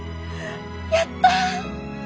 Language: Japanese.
やった！